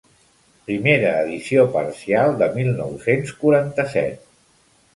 Primera edició parcial de mil nou-cents quaranta-set.